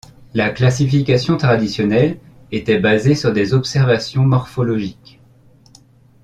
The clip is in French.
La classification traditionnelle était basée sur des observations morphologiques.